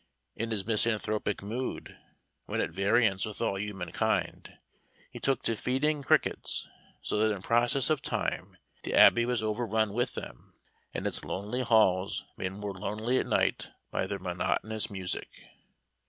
In his misanthropic mood, when at variance with all human kind, he took to feeding crickets, so that in process of time the Abbey was overrun with them, and its lonely halls made more lonely at night by their monotonous music.